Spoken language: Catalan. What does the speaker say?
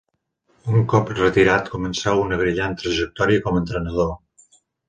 Un cop retirat començà una brillant trajectòria com a entrenador.